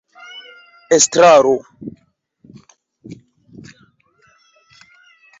estraro